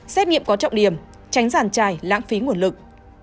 xét nghiệm có trọng điểm tránh giàn trải lãng phí nguồn lực